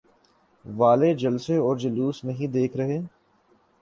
والے جلسے اور جلوس نہیں دیکھ رہے؟